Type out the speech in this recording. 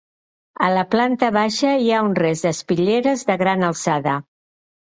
A la planta baixa hi ha un rest d'espitlleres de gran alçada.